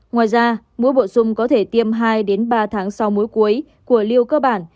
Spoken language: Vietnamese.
ngoài ra mũi bổ sung có thể tiêm hai ba tháng sau mũi cuối của liều cơ bản